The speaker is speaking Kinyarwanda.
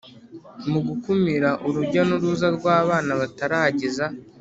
mu gukumira urujya n uruza rw abana batarageza